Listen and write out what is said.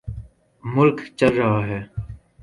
ملک چل رہا ہے۔